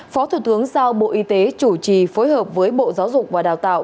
phó thủ tướng giao bộ y tế chủ trì phối hợp với bộ giáo dục và đào tạo